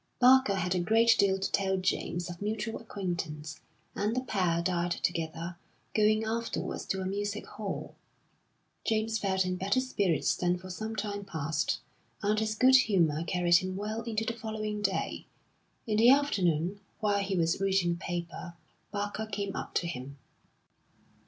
Barker had a great deal to tell James of mutual acquaintance, and the pair dined together, going afterwards to a music hall. James felt in better spirits than for some time past, and his good humour carried him well into the following day. In the afternoon, while he was reading a paper, Barker came up to him.